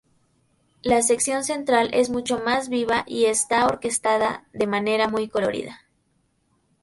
La sección central es mucho más viva y está orquestada de manera muy colorida.